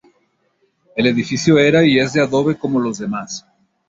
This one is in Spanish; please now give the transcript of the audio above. El edificio era y es de adobe como los demás.